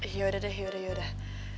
hmm yaudah deh yaudah yaudah